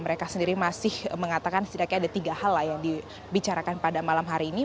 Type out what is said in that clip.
mereka sendiri masih mengatakan setidaknya ada tiga hal lah yang dibicarakan pada malam hari ini